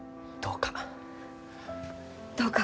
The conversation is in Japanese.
どうか。